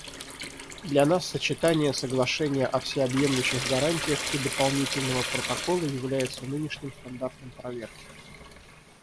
Для нас сочетание Соглашения о всеобъемлющих гарантиях и Дополнительного протокола является нынешним стандартом проверки.